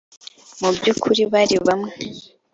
mu byukuri bari bamwe.